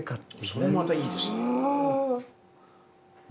それもまたいいですね。